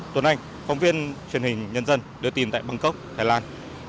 tuấn anh phóng viên truyền hình nhân dân đưa tin tại bangkok thái lan